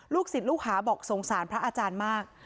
ศิษย์ลูกหาบอกสงสารพระอาจารย์มาก